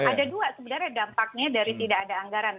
ada dua sebenarnya dampaknya dari tidak ada anggaran